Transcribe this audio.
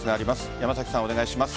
山崎さん、お願いします。